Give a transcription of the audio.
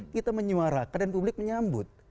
kita menyuarakan dan publik menyambut